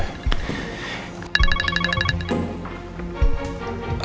bapak cobain mata dia